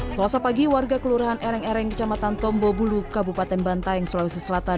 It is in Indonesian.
selasa pagi warga kelurahan ereng ereng kecamatan tombobulu kabupaten bantaeng sulawesi selatan